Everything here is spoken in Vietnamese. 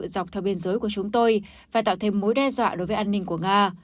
dọc theo biên giới của chúng tôi và tạo thêm mối đe dọa đối với an ninh của nga